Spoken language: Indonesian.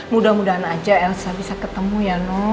mudah mudahan aja elsa bisa ketemu ya no